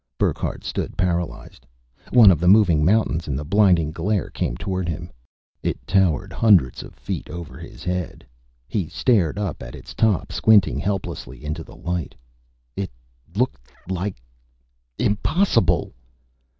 Burckhardt stood paralyzed. One of the moving mountains in the blinding glare came toward him. It towered hundreds of feet over his head; he stared up at its top, squinting helplessly into the light. It looked like Impossible!